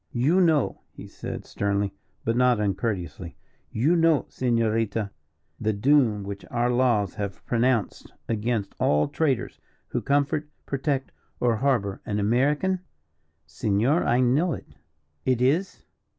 "You know," he said, sternly, but not uncourteously, "you know, Senorita, the doom which our laws have pronounced against all traitors who comfort, protect, or harbour an American?" "Senor, I know it." "It is?"